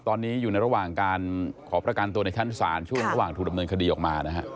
ตอนนี้อยู่ในระหว่างการขอประกันตัวในชั้นศาลช่วงระหว่างถูกดำเนินคดีออกมานะฮะ